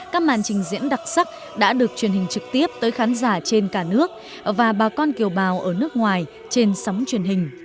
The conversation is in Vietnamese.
các màn trình diễn đặc sắc đã được truyền hình trực tiếp tới khán giả trên cả nước và bà con kiều bào ở nước ngoài trên sóng truyền hình